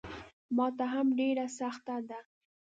ماته هم ډېره سخته ده.